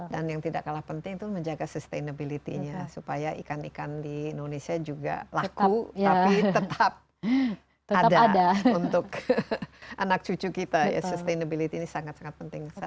dan yang tidak kalah penting itu menjaga sustainabilitynya supaya ikan ikan di indonesia juga laku tapi tetap ada untuk anak cucu kita ya sustainability ini sangat sangat penting